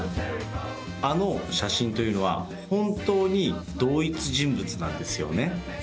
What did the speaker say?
あの写真というのは、本当に同一人物なんですよね？